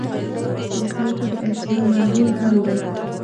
د خلکو د احسان مرهون هم دي.